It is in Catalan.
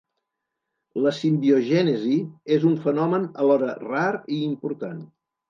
La simbiogènesi és un fenomen alhora rar i important.